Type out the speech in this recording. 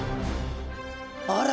あら！